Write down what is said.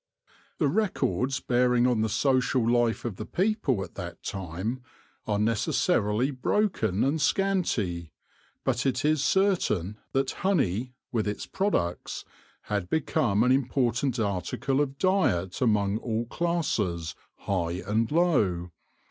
The records bearing on the social life of the people at that time are necessarily broken and scanty ; but it is certain that honey, with its pro ducts, had become an important article of diet among ail classes, high and low.